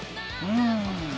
うん。